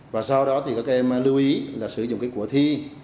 và sau đó thì các em lưu ý là sử dụng cái của thi